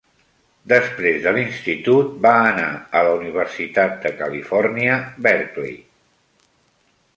Després de l'Institut, va anar a la Universitat de California, Berkeley.